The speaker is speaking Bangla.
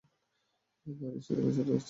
দাদীর সাথে কনসার্টে যাচ্ছি।